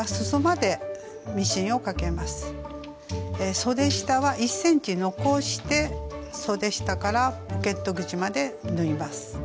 そで下は１ｃｍ残してそで下からポケット口まで縫います。